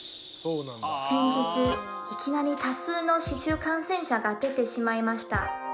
先日いきなり多数の市中感染者が出てしまいました。